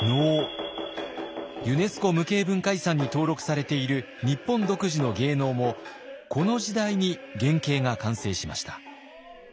ユネスコ無形文化遺産に登録されている日本独自の芸能もこの時代に原型が完成しました。